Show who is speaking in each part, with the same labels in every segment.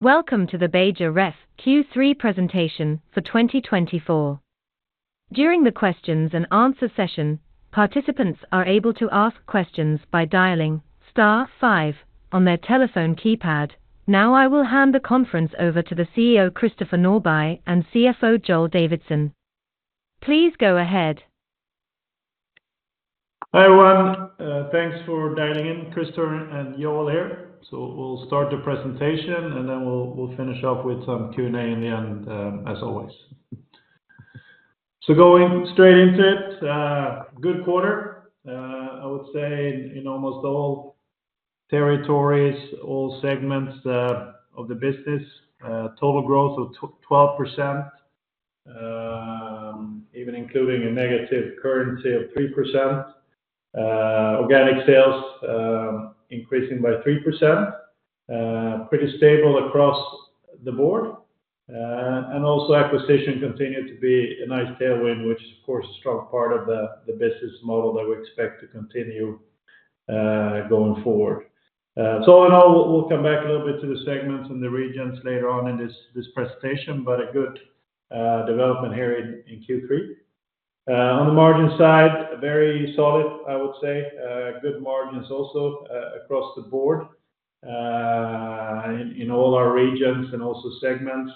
Speaker 1: Welcome to the Beijer Ref Q3 presentation for 2024. During the questions and answer session, participants are able to ask questions by dialing star five on their telephone keypad. Now, I will hand the conference over to the CEO, Christopher Norbye, and CFO, Joel Davidsson. Please go ahead.
Speaker 2: Hi, everyone. Thanks for dialing in, Christopher and Joel here. So we'll start the presentation, and then we'll finish up with some Q&A in the end, as always. So going straight into it, good quarter, I would say in almost all territories, all segments of the business, total growth of 12%, even including a negative currency of 3%, organic sales increasing by 3%, pretty stable across the board, and also acquisition continued to be a nice tailwind, which is, of course, a strong part of the business model that we expect to continue going forward. So in all, we'll come back a little bit to the segments and the regions later on in this presentation, but a good development here in Q3. On the margin side, very solid, I would say, good margins also, across the board, in all our regions and also segments,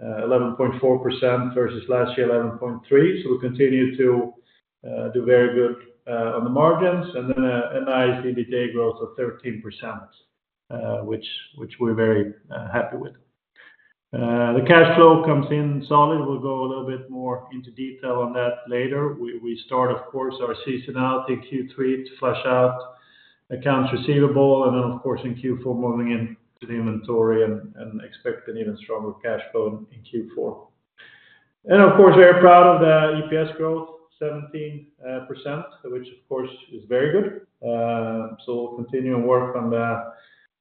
Speaker 2: 11.4% versus last year, 11.3%. So we continue to do very good on the margins, and then a nice EBITDA growth of 13%, which we're very happy with. The cash flow comes in solid. We'll go a little bit more into detail on that later. We start, of course, our seasonality Q3 to flush out accounts receivable and then, of course, in Q4, moving into the inventory and expect an even stronger cash flow in Q4. And of course, we are proud of the EPS growth, 17%, which of course, is very good. So we'll continue to work on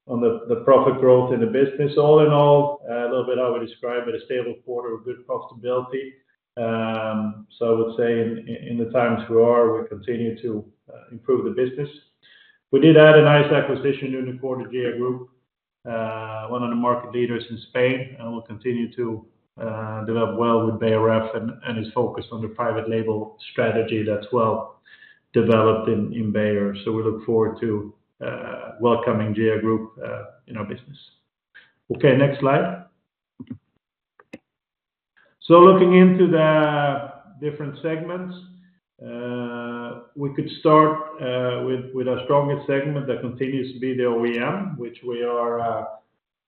Speaker 2: the profit growth in the business. All in all, a little bit how we describe it, a stable quarter of good profitability. So I would say in the times we are, we continue to improve the business. We did add a nice acquisition during the quarter, GIA Group, one of the market leaders in Spain, and we'll continue to develop well with Beijer Ref and is focused on the private label strategy that's well developed in Beijer. So we look forward to welcoming GIA Group in our business. Okay, next slide. So looking into the different segments, we could start with our strongest segment that continues to be the OEM, which we are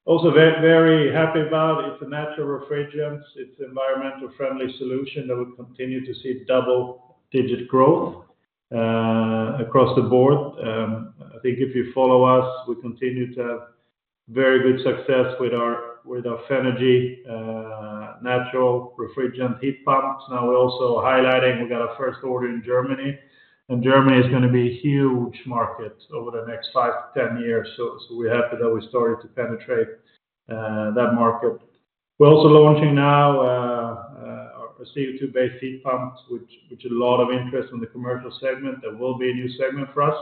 Speaker 2: also very, very happy about. It's a natural refrigerants, it's environmentally friendly solution that will continue to see double-digit growth across the board. I think if you follow us, we continue to have very good success with our Fenagy natural refrigerant heat pumps. Now, we're also highlighting, we got our first order in Germany, and Germany is going to be a huge market over the next five to 10 years. So we're happy that we started to penetrate that market. We're also launching now our CO2-based heat pumps, which a lot of interest in the Commercial segment, that will be a new segment for us.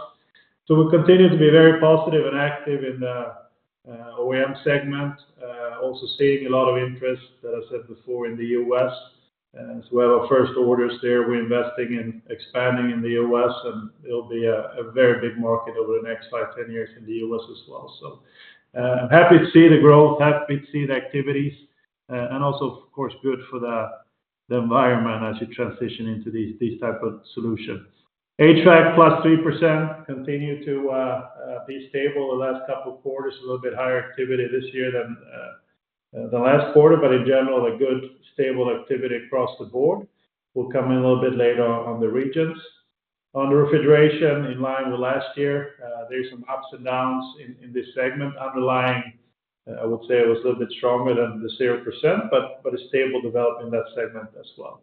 Speaker 2: So we continue to be very positive and active in the OEM segment. Also seeing a lot of interest, as I said before, in the U.S., as well, our first orders there, we're investing in expanding in the U.S., and it'll be a very big market over the next five, 10 years in the U.S. as well. So, happy to see the growth, happy to see the activities, and also, of course, good for the environment as you transition into these type of solutions. HVAC +3% continue to be stable. The last couple of quarters, a little bit higher activity this year than the last quarter, but in general, a good, stable activity across the board, will come in a little bit later on the regions. On the Refrigeration in line with last year, there's some ups and downs in this segment. Underlying, I would say it was a little bit stronger than the 0%, but a stable development in that segment as well.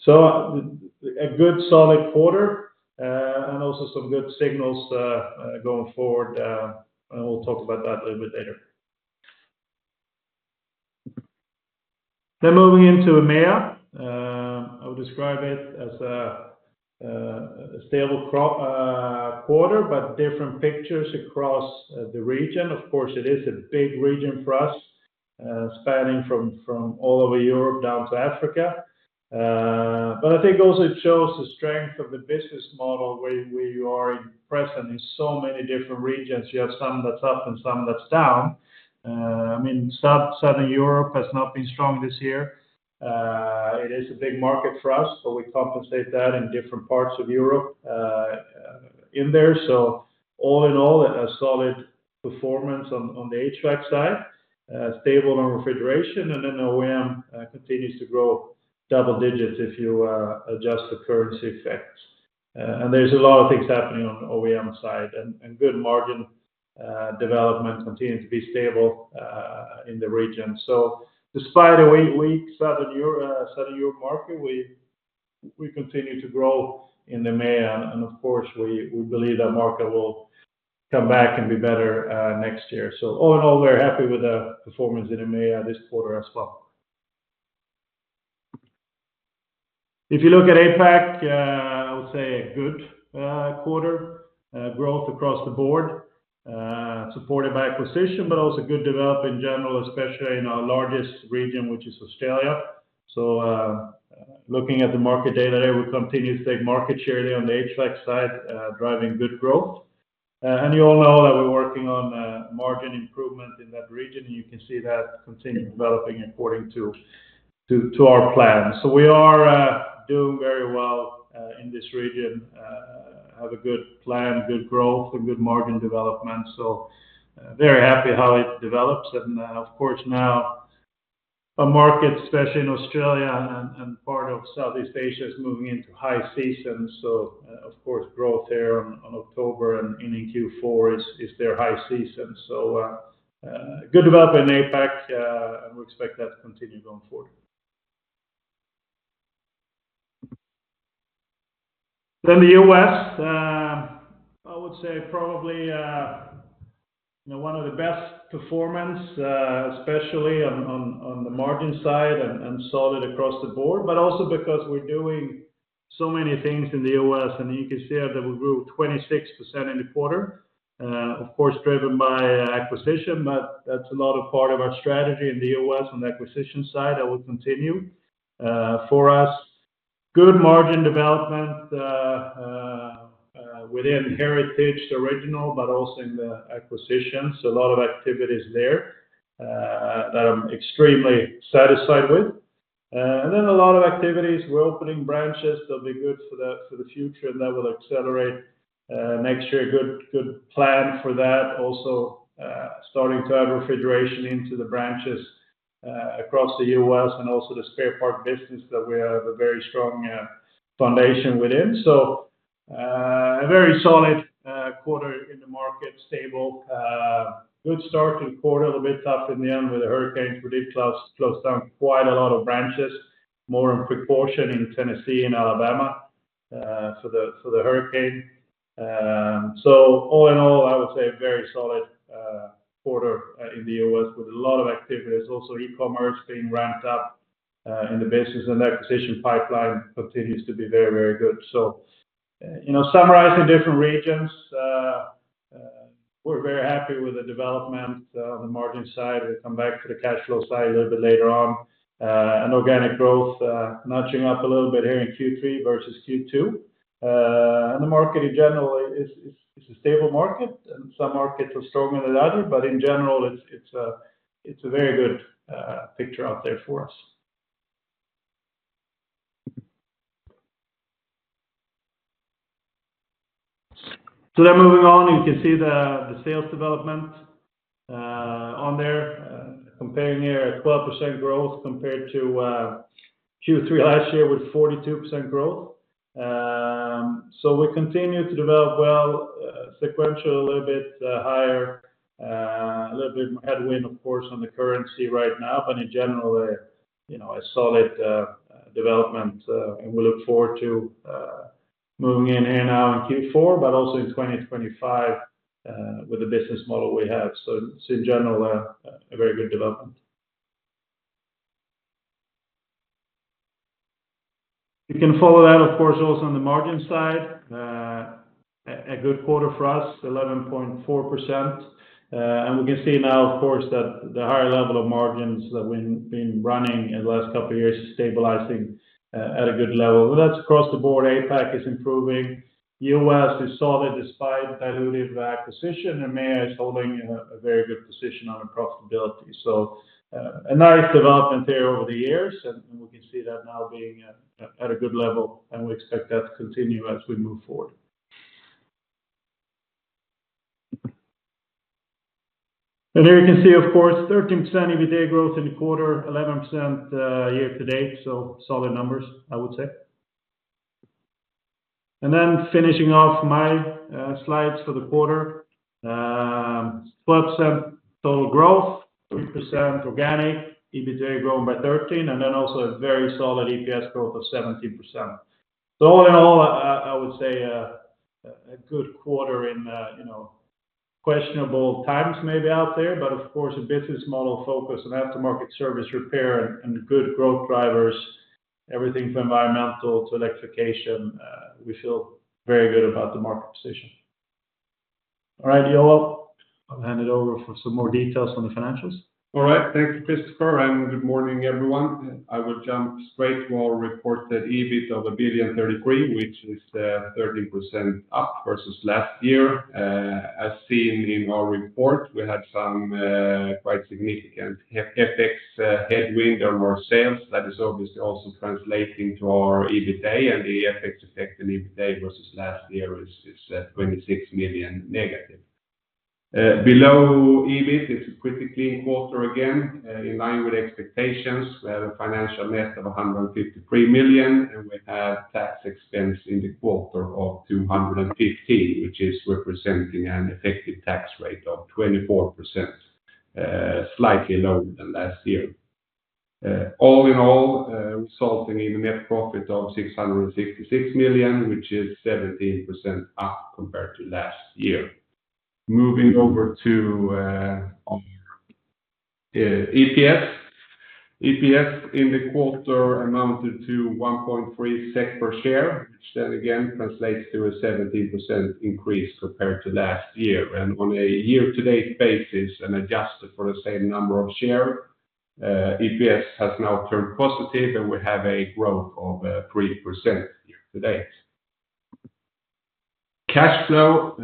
Speaker 2: So a good solid quarter, and also some good signals going forward, and we'll talk about that a little bit later. Then moving into EMEA, I would describe it as a stable quarter, but different pictures across the region. Of course, it is a big region for us, spanning from all over Europe down to Africa. But I think also it shows the strength of the business model, where you are present in so many different regions. You have some that's up and some that's down. I mean, Southern Europe has not been strong this year. It is a big market for us, but we compensate that in different parts of Europe, in there. So all in all, a solid performance on the HVAC side, stable on Refrigeration, and then OEM continues to grow double digits if you adjust the currency effects. And there's a lot of things happening on the OEM side and good margin development continuing to be stable in the region. So despite a weak Southern Europe market, we continue to grow in the EMEA, and of course, we believe that market will come back and be better next year. So all in all, we're happy with the performance in EMEA this quarter as well. If you look at APAC, I would say a good quarter, growth across the board, supported by acquisition, but also good development in general, especially in our largest region, which is Australia. So, looking at the market day-to-day, we continue to take market share there on the HVAC side, driving good growth. And you all know that we're working on margin improvement in that region, and you can see that continuing developing according to our plan. So we are doing very well in this region, have a good plan, good growth, and good margin development. So, very happy how it develops. And, of course, now a market, especially in Australia and part of Southeast Asia, is moving into high season. Of course, growth there on October and ending Q4 is their high season. Good development in APAC, and we expect that to continue going forward. Then the U.S., I would say probably, you know, one of the best performance, especially on the margin side and solid across the board, but also because we're doing so many things in the US, and you can see that we grew 26% in the quarter. Of course, driven by acquisition, but that's a lot of part of our strategy in the U.S. on the acquisition side, that will continue. For us, good margin development within Heritage, the original, but also in the acquisitions. A lot of activities there that I'm extremely satisfied with. And then a lot of activities. We're opening branches. They'll be good for the future, and that will accelerate next year. Good, good plan for that. Also, starting to add Refrigeration into the branches across the U.S. and also the spare part business that we have a very strong foundation within. So, a very solid quarter in the market, stable. Good start to the quarter, a little bit tough in the end with the hurricane. We did closed down quite a lot of branches, more in proportion in Tennessee and Alabama, for the hurricane. So all in all, I would say a very solid quarter in the U.S. with a lot of activities. Also, e-commerce being ramped up in the business, and the acquisition pipeline continues to be very, very good. So, you know, summarizing different regions, we're very happy with the development on the margin side. We'll come back to the cash flow side a little bit later on. And organic growth notching up a little bit here in Q3 versus Q2. And the market in general is a stable market, and some markets are stronger than others, but in general, it's a very good picture out there for us. So then moving on, you can see the sales development on there, comparing here a 12% growth compared to Q3 last year with 42% growth. So we continue to develop well, sequentially, a little bit higher, a little bit headwind, of course, on the currency right now. But in general, you know, a solid development, and we look forward to moving in here now in Q4, but also in 2025, with the business model we have. So it's in general a very good development. You can follow that, of course, also on the margin side. A good quarter for us, 11.4%. And we can see now, of course, that the higher level of margins that we've been running in the last couple of years is stabilizing at a good level. But that's across the board. APAC is improving. U.S. is solid despite dilutive acquisition, and EMEA is holding in a very good position on the profitability. So, a nice development there over the years, and we can see that now being at a good level, and we expect that to continue as we move forward. And here you can see, of course, 13% EBITDA growth in the quarter, 11% year-to-date, so solid numbers, I would say. And then finishing off my slides for the quarter, 12% total growth, 3% organic, EBITDA growing by 13%, and then also a very solid EPS growth of 17%. So all in all, I would say a good quarter in, you know, questionable times maybe out there, but of course, a business model focus on aftermarket service repair and good growth drivers, everything from environmental to electrification, we feel very good about the market position. All right, Joel, I'll hand it over for some more details on the financials.
Speaker 3: All right. Thank you, Christopher, and good morning, everyone. I will jump straight to our reported EBIT of 1.033 billion, which is 13% up versus last year. As seen in our report, we had some quite significant FX headwind on our sales. That is obviously also translating to our EBITDA, and the FX effect in EBITDA versus last year is 26 million-. Below EBIT, it's a pretty clean quarter, again, in line with expectations. We have a financial net of 153 million, and we have tax expense in the quarter of 215 million, which is representing an effective tax rate of 24%, slightly lower than last year. All in all, resulting in a net profit of 666 million, which is 17% up compared to last year. Moving over to EPS. EPS in the quarter amounted to 1.3 SEK per share, which then again translates to a 17% increase compared to last year. And on a year-to-date basis, and adjusted for the same number of share, EPS has now turned positive, and we have a growth of 3% year-to-date. Cash flow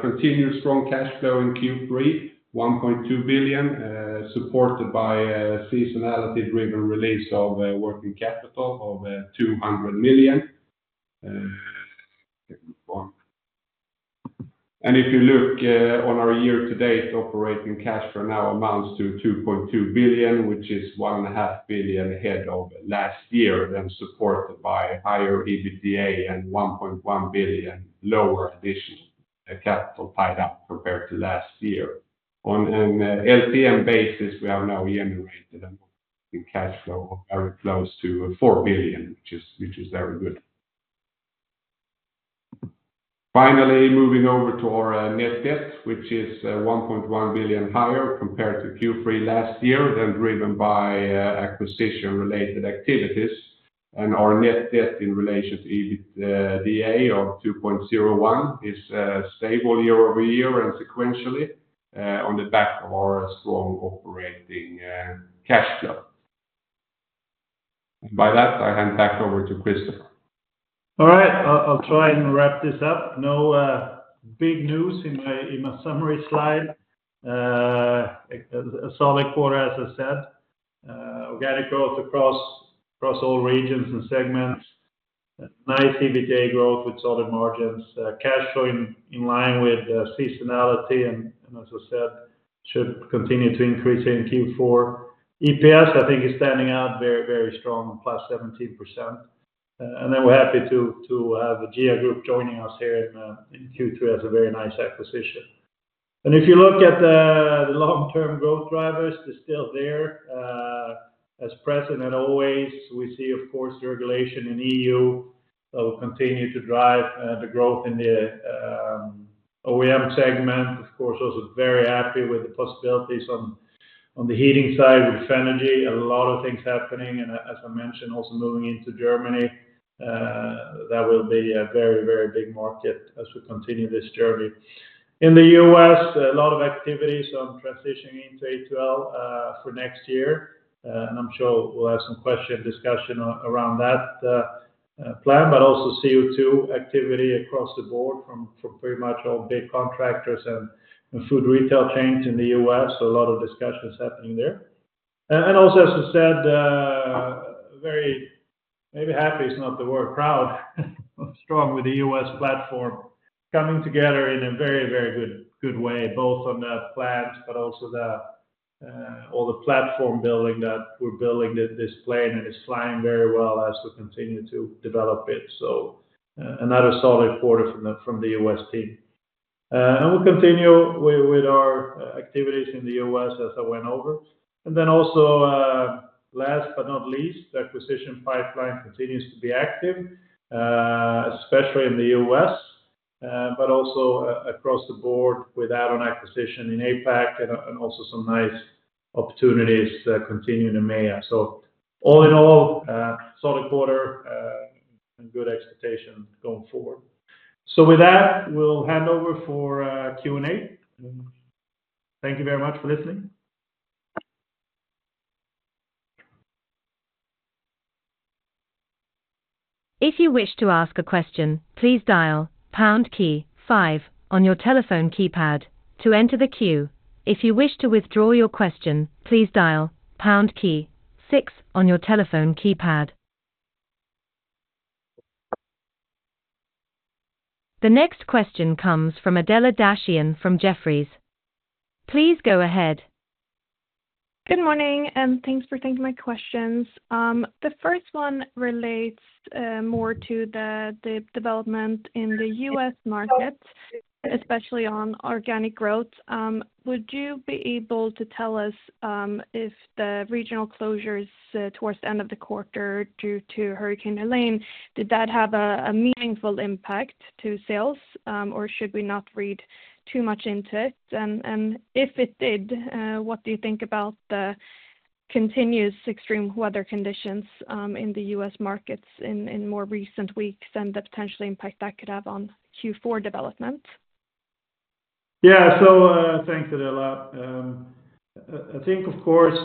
Speaker 3: continued strong cash flow in Q3, 1.2 billion, supported by seasonality driven release of working capital of 200 million. And if you look on our year-to-date operating cash flow now amounts to 2.2 billion, which is 1.5 billion ahead of last year, and supported by higher EBITDA and 1.1 billion lower additional capital tied up compared to last year. On an LTM basis, we are now yearly rated in cash flow of very close to 4 billion, which is very good. Finally, moving over to our net debt, which is 1.1 billion higher compared to Q3 last year, then driven by acquisition-related activities. And our net debt in relation to EBITDA of 2.01x is stable year-over-year and sequentially on the back of our strong operating cash flow. By that, I hand back over to Christopher.
Speaker 2: All right, I'll try and wrap this up. No big news in my summary slide. A solid quarter, as I said, organic growth across all regions and segments. Nice EBITDA growth with solid margins, cash flow in line with seasonality and, as I said, should continue to increase in Q4. EPS, I think, is standing out very, very strong, +17%. And then we're happy to have the GIA Group joining us here in Q2 as a very nice acquisition. And if you look at the long-term growth drivers, they're still there, as present and always. We see, of course, the regulation in EU that will continue to drive the growth in the OEM segment. Of course, also very happy with the possibilities on the heating side, with Fenagy, a lot of things happening, and as I mentioned, also moving into Germany, that will be a very, very big market as we continue this journey. In the U.S., a lot of activities on transitioning into A2L for next year. And I'm sure we'll have some question, discussion around that plan, but also CO2 activity across the board from pretty much all big contractors and food retail chains in the U.S. So a lot of discussions happening there. And also, as I said, very, maybe happy is not the word, proud, strong with the U.S. platform coming together in a very good way, both on the plans, but also all the platform building that we're building this plane, and it's flying very well as we continue to develop it. So, another solid quarter from the U.S. team. And we'll continue with our activities in the U.S. as I went over. And then also, last but not least, the acquisition pipeline continues to be active, especially in the U.S., but also across the board with add-on acquisition in APAC and also some nice opportunities continuing in EMEA. So all in all, solid quarter, and good expectation going forward. So with that, we'll hand over for Q&A. Thank you very much for listening.
Speaker 1: If you wish to ask a question, please dial pound key five on your telephone keypad to enter the queue. If you wish to withdraw your question, please dial pound key six on your telephone keypad. The next question comes from Adela Dashian from Jefferies. Please go ahead.
Speaker 4: Good morning, and thanks for taking my questions. The first one relates more to the development in the U.S. market, especially on organic growth. Would you be able to tell us if the regional closures towards the end of the quarter, due to Hurricane Helene, did that have a meaningful impact to sales? Or should we not read too much into it? And if it did, what do you think about the continuous extreme weather conditions in the U.S. markets in more recent weeks and the potential impact that could have on Q4 development?
Speaker 2: Yeah. So, thanks, Adela. I think, of course,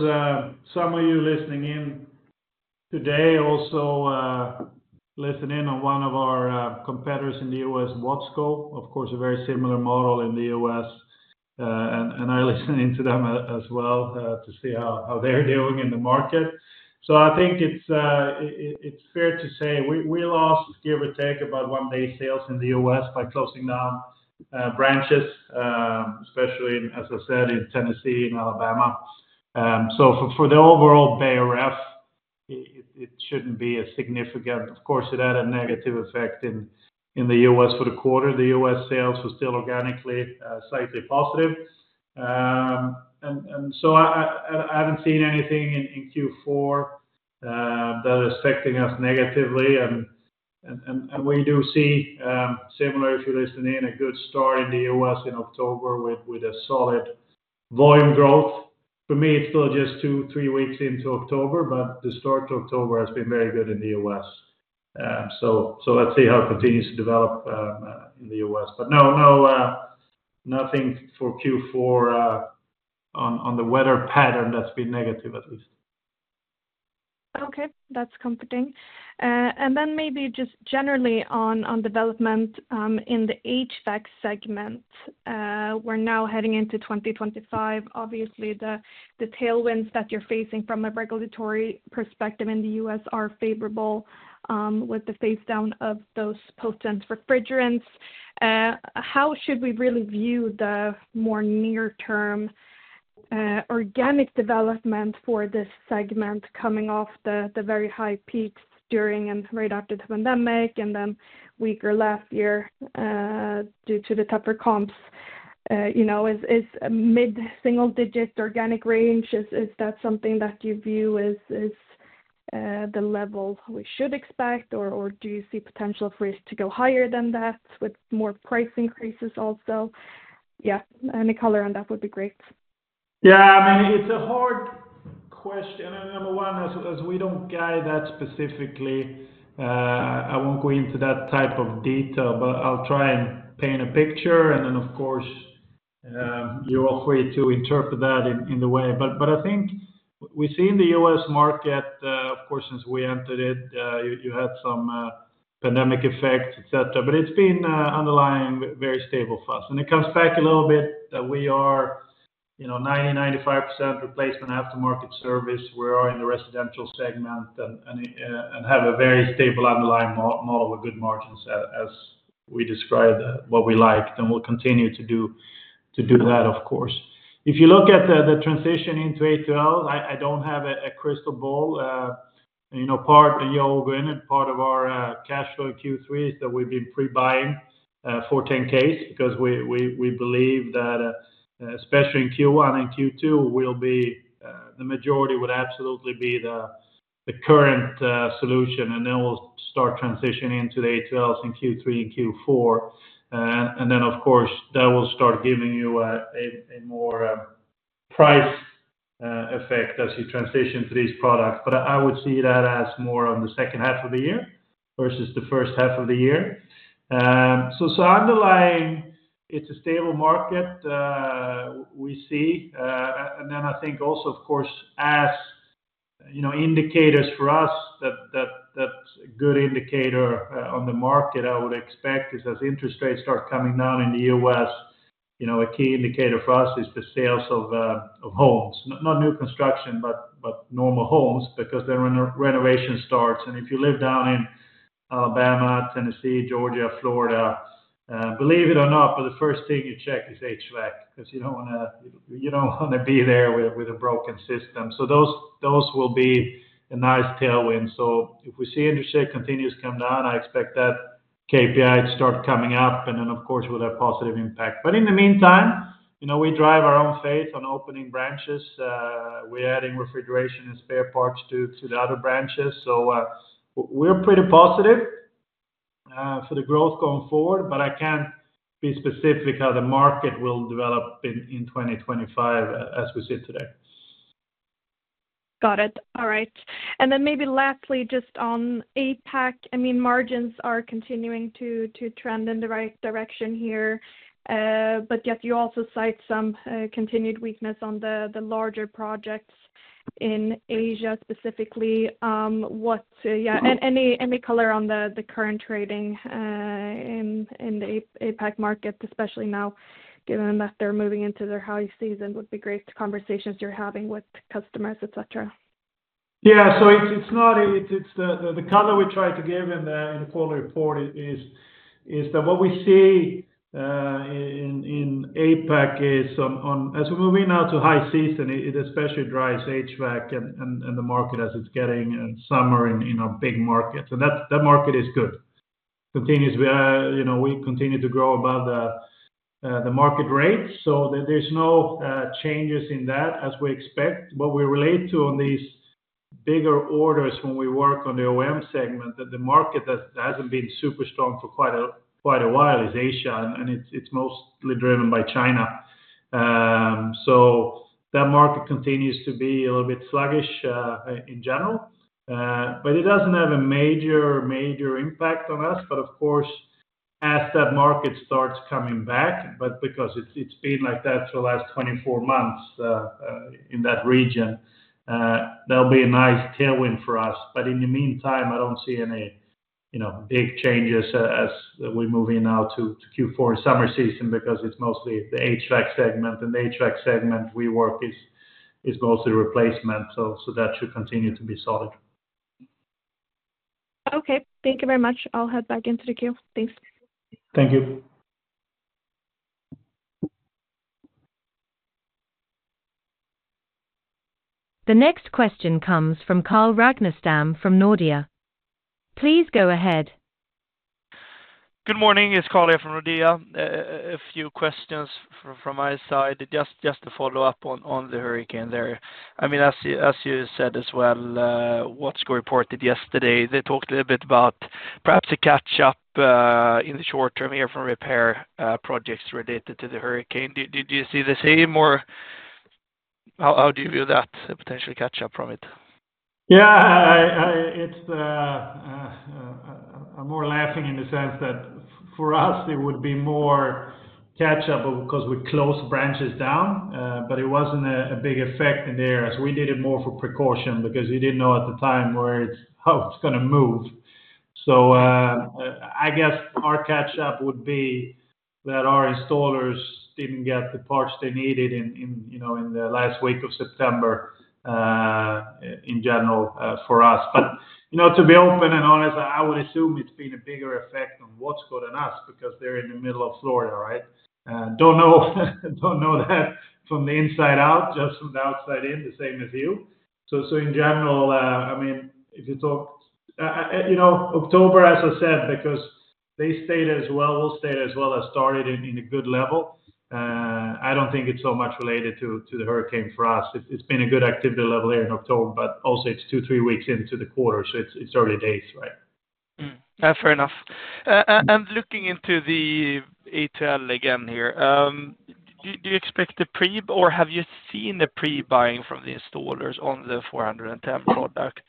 Speaker 2: some of you listening in today also listening in on one of our competitors in the U.S., Watsco, of course, a very similar model in the U.S., and I listening to them as well to see how they're doing in the market. So I think it's fair to say we lost, give or take, about one day sales in the U.S. by closing down branches, especially in, as I said, in Tennessee and Alabama. So for the overall Beijer Ref, it shouldn't be as significant. Of course, it had a negative effect in the U.S. for the quarter. The U.S. sales were still organically slightly positive. I haven't seen anything in Q4 that is affecting us negatively. We do see, similar if you're listening in, a good start in the U.S. in October with a solid volume growth. For me, it's still just two, three weeks into October, but the start to October has been very good in the US. Let's see how it continues to develop in the U.S. Nothing for Q4 on the weather pattern that's been negative, at least.
Speaker 5: Okay, that's comforting. And then maybe just generally on development in the HVAC segment. We're now heading into 2025. Obviously, the tailwinds that you're facing from a regulatory perspective in the U.S. are favorable, with the phase down of those potent refrigerants. How should we really view the more near-term organic development for this segment coming off the very high peaks during and right after the pandemic, and then weaker last year due to the tougher comps? You know, is mid-single digit organic range, is that something that you view as the level we should expect? Or do you see potential for it to go higher than that with more price increases also? Yeah, any color on that would be great.
Speaker 2: Yeah, I mean, it's a hard question, and number one, as we don't guide that specifically, I won't go into that type of detail, but I'll try and paint a picture, and then, of course, you're free to interpret that in the way, but I think we see in the U.S. market, of course, since we entered it, you had some pandemic effect, et cetera, but it's been underlying very stable for us. When it comes back a little bit, we are, you know, 90%-95% replacement aftermarket service. We are in the Residential segment and have a very stable underlying model with good margins as we described, what we like, and we'll continue to do that, of course. If you look at the transition into A2L, I don't have a crystal ball. You know, part of the logic in it, part of our cash flow Q3, is that we've been pre-buying for 410As because we believe that especially in Q1 and Q2 will be the majority would absolutely be the current solution, and then we'll start transitioning to the A2Ls in Q3 and Q4, and then, of course, that will start giving you a more price effect as you transition to these products, but I would see that as more on the second half of the year versus the first half of the year, so underlying, it's a stable market we see. And then I think also, of course, as you know, indicators for us. That's a good indicator on the market. I would expect as interest rates start coming down in the U.S. You know, a key indicator for us is the sales of homes, not new construction, but normal homes, because then renovation starts, and if you live down in Alabama, Tennessee, Georgia, Florida, believe it or not, but the first thing you check is HVAC, because you don't wanna be there with a broken system. So those will be a nice tailwind, so if we see interest rate continues to come down, I expect that KPI to start coming up, and then, of course, we'll have positive impact, but in the meantime, you know, we drive our own fate on opening branches. We're adding Refrigeration and Spare Parts to the other branches. So, we're pretty positive for the growth going forward, but I can't be specific how the market will develop in 2025 as we see today.
Speaker 5: Got it. All right. And then maybe lastly, just on APAC, I mean, margins are continuing to trend in the right direction here. But yet you also cite some continued weakness on the larger projects in Asia, specifically. Yeah, any color on the current trading in the APAC market, especially now, given that they're moving into their high season, would be great to conversations you're having with customers, et cetera.
Speaker 2: Yeah, so it's not. It's the color we try to give in the quarter report is that what we see in APAC as we're moving now to high season, it especially drives HVAC and the market as it's getting in summer in big markets, you know, and that market is good. You know, we continue to grow above the market rate, so there's no changes in that as we expect. What we relate to on these bigger orders when we work on the OEM segment, that the market hasn't been super strong for quite a while, is Asia, and it's mostly driven by China. So that market continues to be a little bit sluggish in general, but it doesn't have a major, major impact on us. But of course, as that market starts coming back, but because it's been like that for the last 24 months in that region, that'll be a nice tailwind for us. But in the meantime, I don't see any, you know, big changes as we move in now to Q4 summer season, because it's mostly the HVAC segment, and the HVAC segment we work is mostly replacement, so that should continue to be solid.
Speaker 5: Okay. Thank you very much. I'll head back into the queue. Thanks.
Speaker 2: Thank you.
Speaker 1: The next question comes from Carl Ragnerstam, from Nordea. Please go ahead....
Speaker 6: Good morning, it's Carl from Nordea. A few questions from my side, just to follow up on the hurricane there. I mean, as you said as well, what's reported yesterday, they talked a little bit about perhaps a catch up in the short term here from repair projects related to the hurricane. Do you see the same or how do you view that, the potential catch up from it?
Speaker 2: Yeah, I'm more laughing in the sense that for us it would be more catch up because we closed branches down, but it wasn't a big effect in there, as we did it more for precaution because we didn't know at the time where it's- how it's gonna move. So, I guess our catch up would be that our installers didn't get the parts they needed in, you know, in the last week of September, in general, for us. But, you know, to be open and honest, I would assume it's been a bigger effect on Watsco than us, because they're in the middle of Florida, right? Don't know that from the inside out, just from the outside in, the same as you. So in general, I mean, if you talk, you know, October, as I said, because they stayed as well, we'll stay as well as started in a good level. I don't think it's so much related to the hurricane for us. It's been a good activity level here in October, but also it's two, three weeks into the quarter, so it's early days, right?
Speaker 6: Fair enough. And looking into the A2L again here, do you expect the pre-buying or have you seen the pre-buying from the installers on the 410 products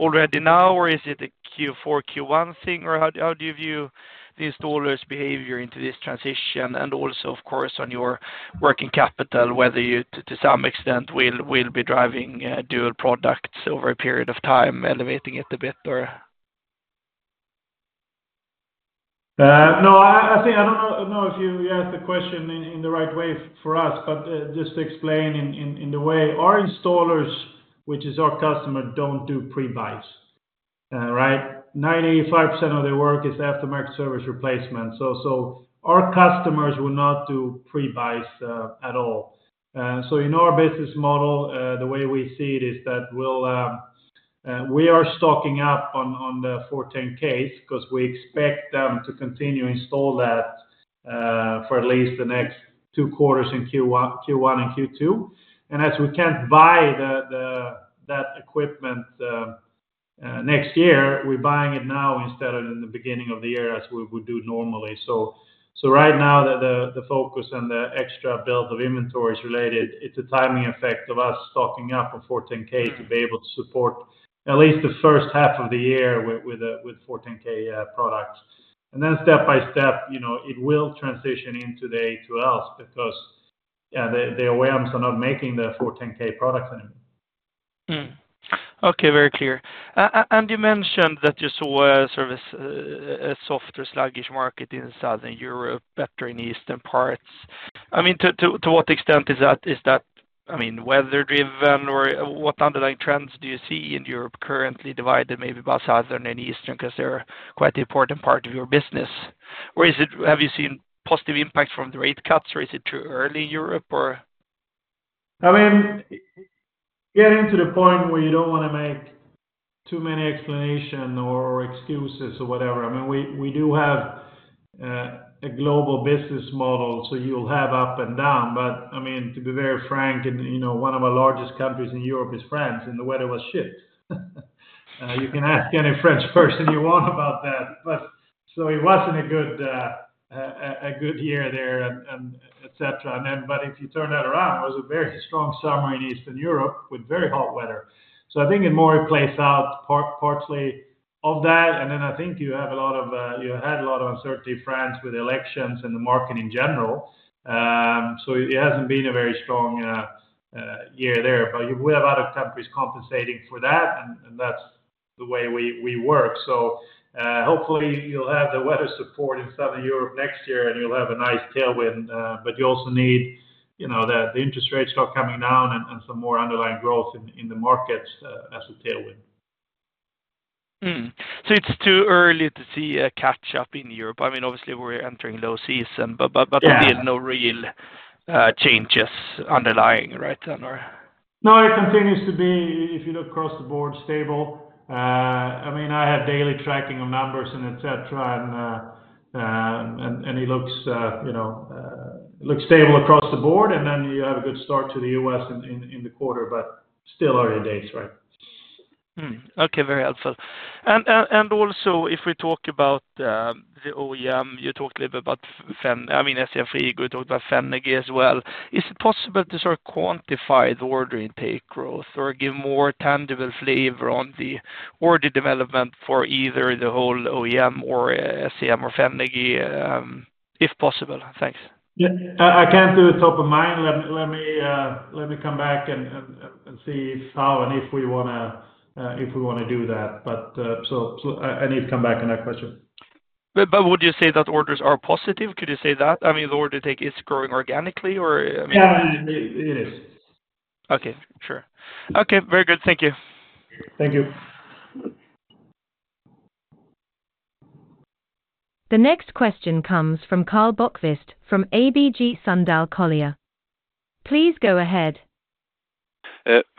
Speaker 6: already now? Or is it a Q4, Q1 thing, or how do you view the installers' behavior into this transition? And also, of course, on your working capital, whether you, to some extent, will be driving dual products over a period of time, elevating it a bit, or?
Speaker 2: No, I think I don't know if you asked the question in the right way for us. But just to explain in the way our installers, which is our customer, don't do pre-buys, right? 95% of their work is aftermarket service replacement. So our customers will not do pre-buys at all. So in our business model, the way we see it is that we are stocking up on the 410As, 'cause we expect them to continue to install that for at least the next two quarters, Q1 and Q2, and as we can't buy that equipment next year, we're buying it now instead of in the beginning of the year, as we would do normally. Right now, the focus and the extra build of inventory is related. It's a timing effect of us stocking up on 410A to be able to support at least the first half of the year with 410A products, and then step by step, you know, it will transition into the A2Ls, because yeah, the OEMs are not making the 410A products anymore.
Speaker 6: Okay, very clear. And you mentioned that you saw a softer sluggish market in Southern Europe, better in the Eastern parts. I mean, to what extent is that, I mean, weather-driven or what underlying trends do you see in Europe currently, divided maybe by Southern and Eastern, 'cause they're quite an important part of your business? Or is it... Have you seen positive impacts from the rate cuts, or is it too early in Europe, or?
Speaker 2: I mean, getting to the point where you don't wanna make too many explanation or excuses or whatever, I mean, we do have a global business model, so you'll have up and down. But I mean, to be very frank, and you know, one of our largest countries in Europe is France, and the weather was shit. You can ask any French person you want about that. But so it wasn't a good year there, et cetera. If you turn that around, it was a very strong summer in Eastern Europe with very hot weather. So I think it more plays out partially of that, and then I think you had a lot of uncertainty in France with elections and the market in general. So it hasn't been a very strong year there, but we have a lot of countries compensating for that, and that's the way we work. So hopefully you'll have the weather support in Southern Europe next year, and you'll have a nice tailwind, but you also need, you know, the interest rates start coming down and some more underlying growth in the markets as a tailwind.
Speaker 6: So it's too early to see a catch up in Europe. I mean, obviously, we're entering low season, but...
Speaker 2: Yeah....
Speaker 6: There are no real changes underlying right then, or?
Speaker 2: No, it continues to be, if you look across the board, stable. I mean, I have daily tracking of numbers and et cetera, and it looks, you know, stable across the board, and then you have a good start to the U.S. in the quarter, but still early days, right?
Speaker 6: Okay, very helpful. And, and also, if we talk about the OEM, you talked a little bit about FEN... I mean, SCM Frigo, you talked about Fenagy as well. Is it possible to sort of quantify the order intake growth or give more tangible flavor on the order development for either the whole OEM or, SCM or Fenagy, if possible? Thanks.
Speaker 2: Yeah, I can't do it top of mind. Let me come back and see how and if we wanna do that, but so I need to come back on that question.
Speaker 6: Would you say that orders are positive? Could you say that? I mean, the order intake is growing organically or, I mean-
Speaker 2: Yeah, it is.
Speaker 6: Okay. Sure. Okay, very good. Thank you.
Speaker 2: Thank you.
Speaker 1: The next question comes from Karl Bokvist, from ABG Sundal Collier. Please go ahead....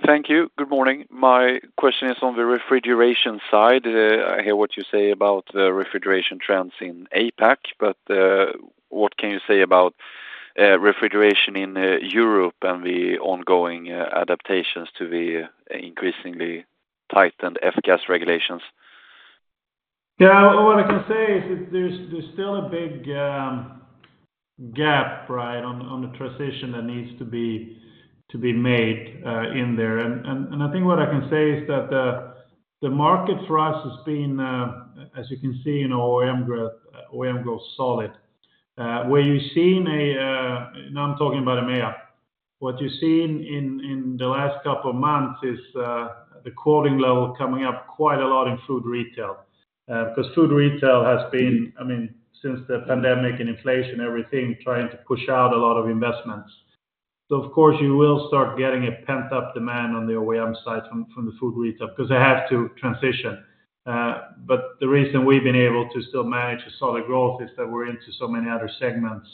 Speaker 7: Thank you. Good morning. My question is on the Refrigeration side. I hear what you say about the refrigeration trends in APAC, but what can you say about Refrigeration in Europe and the ongoing adaptations to the increasingly tightened F-gas regulations?
Speaker 2: Yeah, what I can say is that there's still a big gap, right, on the transition that needs to be made in there. And I think what I can say is that the market for us has been, as you can see, in our OEM growth solid. Where you've seen, now I'm talking about EMEA. What you've seen in the last couple of months is the quoting level coming up quite a lot in food retail. Because food retail has been, I mean, since the pandemic and inflation, everything trying to push out a lot of investments. So of course, you will start getting a pent-up demand on the OEM side from the food retail, because they have to transition. But the reason we've been able to still manage a solid growth is that we're into so many other segments,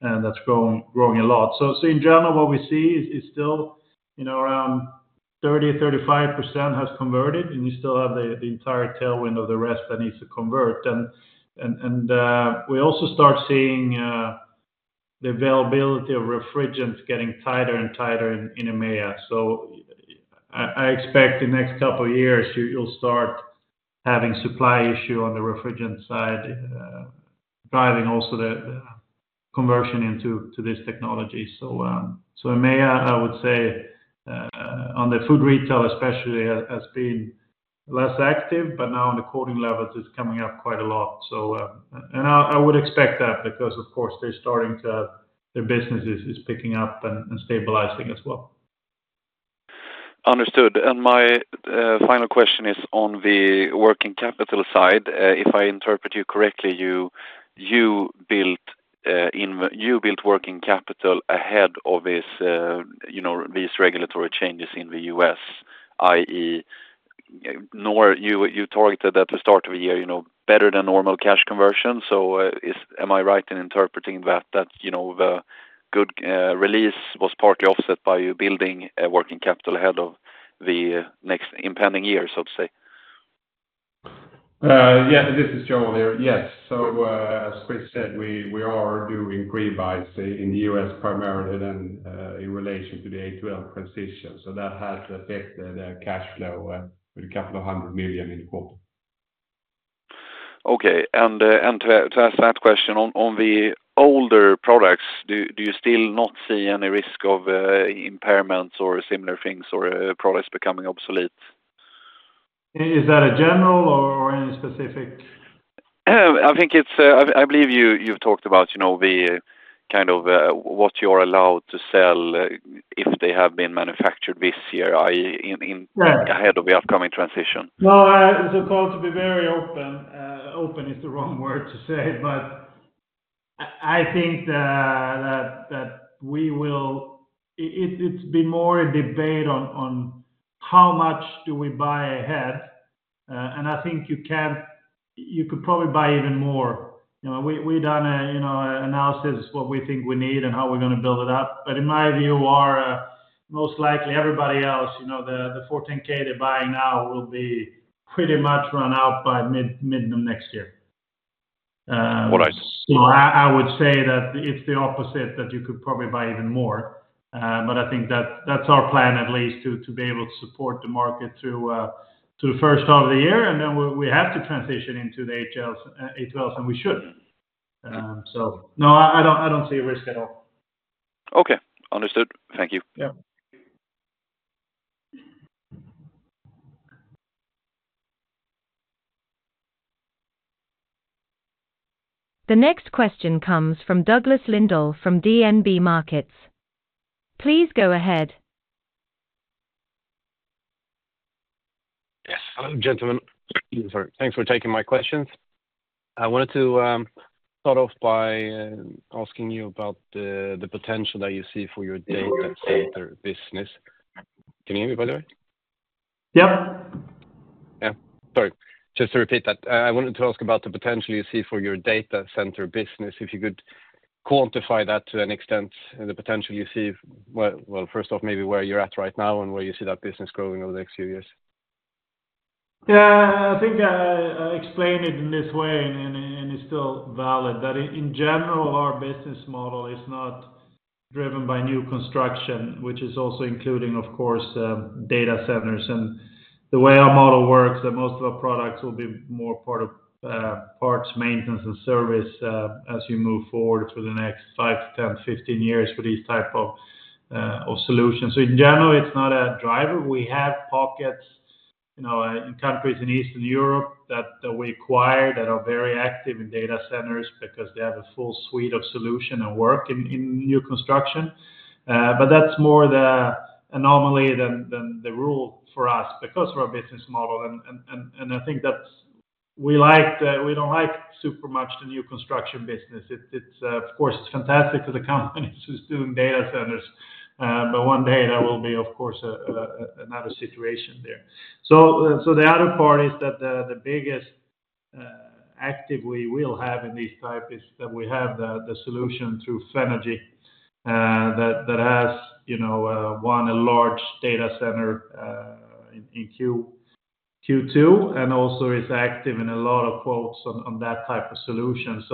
Speaker 2: and that's growing a lot. So in general, what we see is still, you know, around 30%-35% has converted, and you still have the entire tailwind of the rest that needs to convert. And we also start seeing the availability of refrigerants getting tighter and tighter in EMEA. So I expect the next couple of years, you'll start having supply issue on the refrigerant side, driving also the conversion into this technology. So EMEA, I would say, on the food retail especially, has been less active, but now on the quoting levels, it's coming up quite a lot. I would expect that because, of course, they're starting to, their business is picking up and stabilizing as well.
Speaker 7: Understood. And my final question is on the working capital side. If I interpret you correctly, you built working capital ahead of this, you know, these regulatory changes in the U.S., i.e., now you targeted at the start of the year, you know, better than normal cash conversion. So, am I right in interpreting that, you know, the good release was partly offset by you building a working capital ahead of the next impending year, so to say?
Speaker 3: Yeah, this is Joel here. Yes. So, as Chris said, we are doing pre-buys in the U.S., primarily in relation to the A2L transition. So that has affected the cash flow with a couple of hundred million Swedish krona in the quarter.
Speaker 7: Okay. And to ask that question on the older products, do you still not see any risk of impairments or similar things or products becoming obsolete?
Speaker 2: Is that a general or any specific?
Speaker 7: I think it's, I believe you've talked about, you know, the kind of what you're allowed to sell, if they have been manufactured this year, in-
Speaker 2: Right....
Speaker 7: Ahead of the upcoming transition.
Speaker 2: No, so to be very open, open is the wrong word to say, but I think that we will. It's been more a debate on how much do we buy ahead? And I think you can, you could probably buy even more. You know, we've done a, you know, analysis what we think we need and how we're gonna build it up. But in my view, most likely everybody else, you know, the 410A they're buying now will be pretty much run out by mid-term next year.
Speaker 7: What I-
Speaker 2: I would say that it's the opposite, that you could probably buy even more. But I think that's our plan, at least, to be able to support the market through the first half of the year, and then we have to transition into the A2Ls, A2L, and we should. So, no, I don't see a risk at all.
Speaker 7: Okay. Understood. Thank you.
Speaker 2: Yeah.
Speaker 1: The next question comes from Douglas Lindahl from DNB Markets. Please go ahead.
Speaker 8: Yes. Hello, gentlemen. Sorry. Thanks for taking my questions. I wanted to start off by asking you about the potential that you see for your data center business. Can you hear me, by the way?
Speaker 2: Yeah.
Speaker 8: Yeah. Sorry, just to repeat that, I wanted to ask about the potential you see for your data center business, if you could quantify that to an extent, and the potential you see, well, first off, maybe where you're at right now and where you see that business growing over the next few years.
Speaker 2: Yeah, I think I explained it in this way, and it's still valid, that in general, our business model is not driven by new construction, which is also including, of course, data centers. And the way our model works, that most of our products will be more part of parts, maintenance, and service, as you move forward to the next five to 10, 15 years for these type of solutions. So in general, it's not a driver. We have pockets, you know, in countries in Eastern Europe that we acquired that are very active in data centers because they have a full suite of solution and work in new construction. But that's more the anomaly than the rule for us because of our business model, and I think that's... We like, we don't like super much the new construction business. It's, it's, of course, it's fantastic for the companies who's doing data centers, but one day that will be, of course, another situation there. So, the other part is that the biggest active we will have in these type is that we have the solution through Fenagy, that has, you know, won a large data center, in Q2, and also is active in a lot of quotes on that type of solution.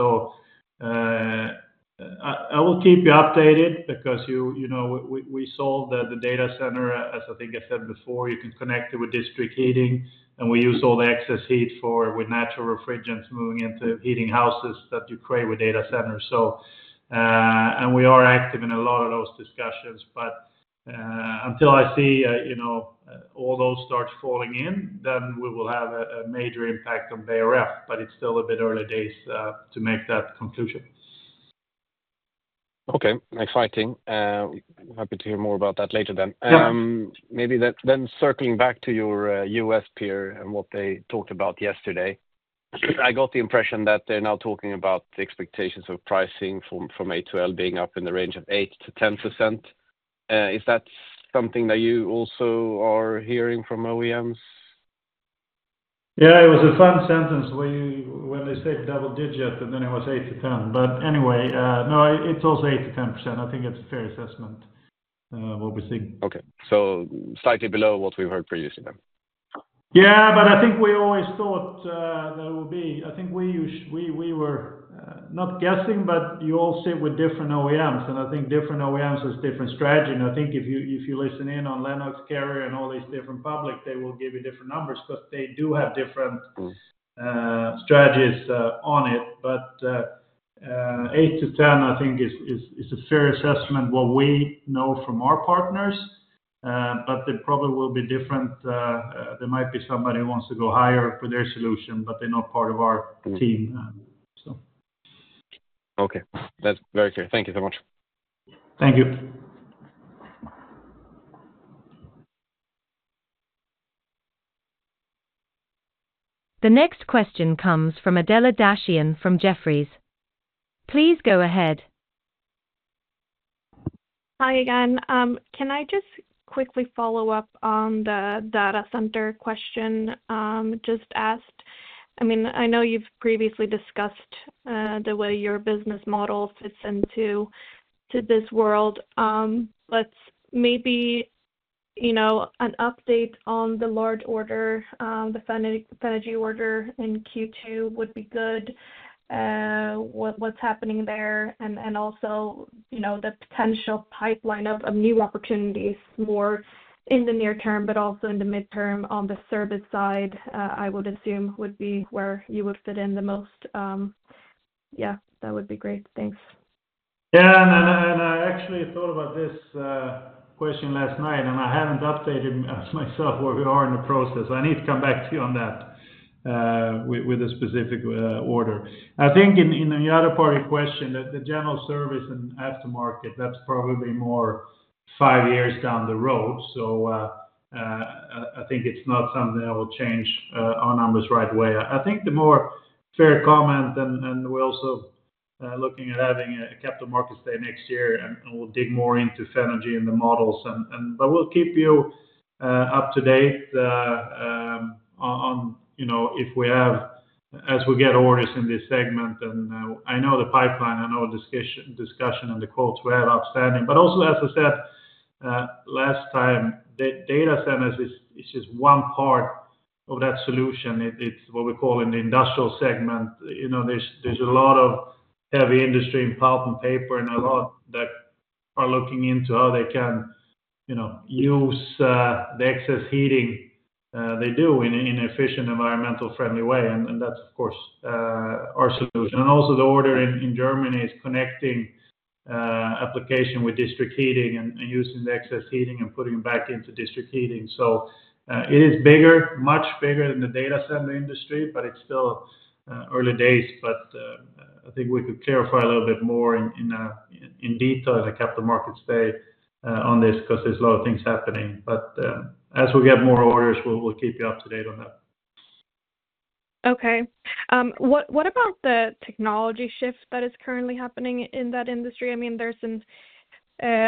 Speaker 2: I will keep you updated because you know, we saw that the data center, as I think I said before, you can connect it with district heating, and we use all the excess heat for with natural refrigerants moving into heating houses that you create with data centers. We are active in a lot of those discussions, but until I see you know, all those start falling in, then we will have a major impact on Beijer Ref, but it's still a bit early days to make that conclusion.
Speaker 8: Okay. Exciting. Happy to hear more about that later then.
Speaker 2: Yeah.
Speaker 8: Maybe then circling back to your U.S. peer and what they talked about yesterday. I got the impression that they're now talking about the expectations of pricing from A2L being up in the range of 8%-10%. Is that something that you also are hearing from OEMs?
Speaker 2: Yeah, it was a fun sentence when they said double digit, and then it was 8%-10%. But anyway, no, it's also 8%-10%. I think it's a fair assessment, what we see.
Speaker 8: Okay. So slightly below what we've heard previously then?
Speaker 2: Yeah, but I think we always thought there will be. I think we were not guessing, but you all sit with different OEMs, and I think different OEMs has different strategy. And I think if you, if you listen in on Lennox, Carrier, and all these different public, they will give you different numbers because they do have different-
Speaker 8: Mm....
Speaker 2: Strategies on it. But 8%-10%, I think, is a fair assessment, what we know from our partners, but they probably will be different. There might be somebody who wants to go higher for their solution, but they're not part of our team, so.
Speaker 8: Okay. That's very clear. Thank you so much.
Speaker 2: Thank you.
Speaker 1: The next question comes from Adela Dashian from Jefferies. Please go ahead.
Speaker 5: Hi, again. Can I just quickly follow up on the data center question just asked? I mean, I know you've previously discussed the way your business model fits into this world, but maybe, you know, an update on the large order, the Fenagy order in Q2 would be good. What's happening there, and also, you know, the potential pipeline of new opportunities more in the near term, but also in the midterm on the service side. I would assume would be where you would fit in the most. Yeah, that would be great. Thanks.
Speaker 2: Yeah, and I actually thought about this question last night, and I haven't updated myself where we are in the process. I need to come back to you on that with a specific order. I think in the other part of your question, that the general service and aftermarket, that's probably more like five years down the road, so I think it's not something that will change our numbers right away. I think the more fair comment, and we're also looking at having a Capital Markets Day next year, and we'll dig more into Fenagy and the models. But we'll keep you up to date on, you know, if we have, as we get orders in this segment, and I know the pipeline, I know discussion on the quotes we have outstanding. But also, as I said last time, data centers is just one part of that solution. It, it's what we call in the Industrial segment. You know, there's a lot of heavy industry in pulp and paper, and a lot that are looking into how they can, you know, use the excess heating they do in efficient environmental-friendly way, and that's of course our solution. And also the order in Germany is connecting application with district heating and using the excess heating and putting it back into district heating. So, it is bigger, much bigger than the data center industry, but it's still early days. But, I think we could clarify a little bit more in detail at the Capital Markets Day, on this, 'cause there's a lot of things happening. But, as we get more orders, we'll keep you up to date on that.
Speaker 5: Okay. What about the technology shift that is currently happening in that industry? I mean, there's an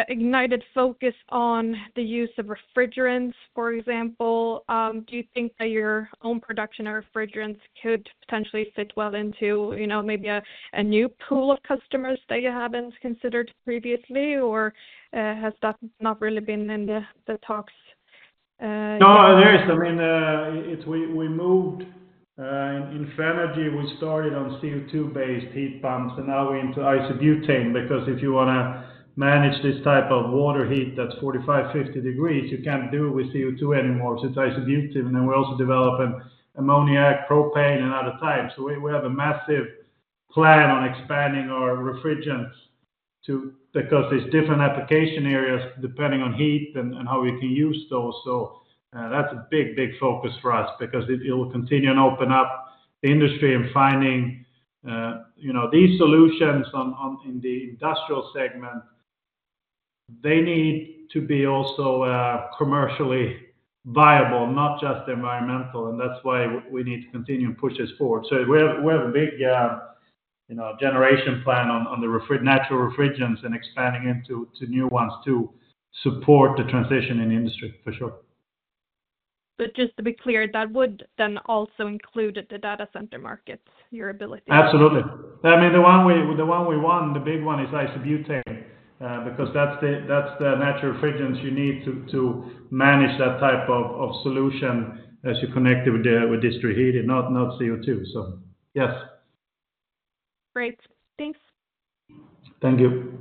Speaker 5: ignited focus on the use of refrigerants, for example. Do you think that your own production of refrigerants could potentially fit well into, you know, maybe a new pool of customers that you haven't considered previously, or has that not really been in the talks?
Speaker 2: No, there is. I mean, it's we moved in Fenagy, we started on CO2-based heat pumps, and now we're into isobutane, because if you wanna manage this type of water heat that's 45-50 degrees Celsius, you can't do it with CO2 anymore, so it's isobutane. And then we're also developing ammonia, propane, and other types. So we have a massive plan on expanding our refrigerants to... Because there's different application areas depending on heat and how we can use those. So that's a big, big focus for us because it will continue and open up the industry and finding you know these solutions on in the Industrial segment, they need to be also commercially viable, not just environmental, and that's why we need to continue to push this forward. So we have a big, you know, generation plan on the natural refrigerants and expanding into new ones to support the transition in the industry, for sure.
Speaker 5: But just to be clear, that would then also include the data center markets, your ability?
Speaker 2: Absolutely. I mean, the one we won, the big one, is isobutane, because that's the natural refrigerants you need to manage that type of solution as you connect it with district heating, not CO2. So yes.
Speaker 5: Great. Thanks.
Speaker 2: Thank you.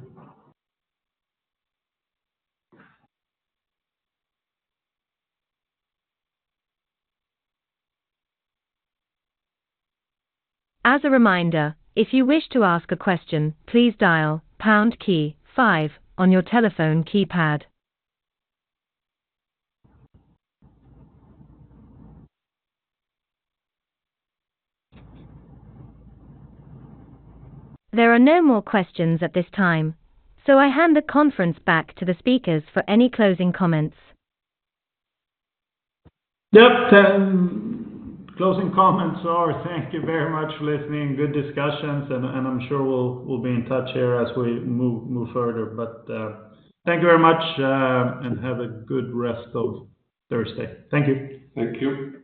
Speaker 1: As a reminder, if you wish to ask a question, please dial pound key five on your telephone keypad. There are no more questions at this time, so I hand the conference back to the speakers for any closing comments.
Speaker 2: Yep, closing comments are thank you very much for listening, good discussions, and I'm sure we'll be in touch here as we move further. But thank you very much, and have a good rest of Thursday. Thank you.
Speaker 3: Thank you.